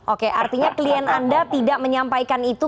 oke artinya klien anda tidak menyampaikan itu